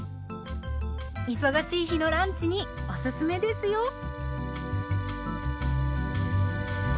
忙しい日のランチにおすすめですよ。